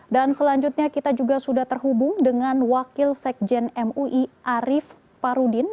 dan selanjutnya kita juga sudah terhubung dengan wakil sekjen mui arief parudin